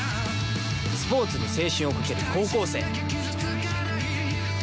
スポーツに青春をかける高校生。